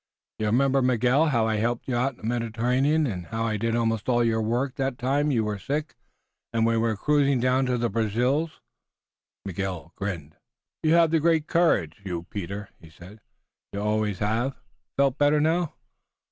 You'll remember, Miguel, how I helped you in the Mediterranean, and how I did almost all your work that time you were sick, when we were cruising down to the Brazils?" Miguel grinned. "You have the great courage, you Peter," he said. "You always have. Feel better now?"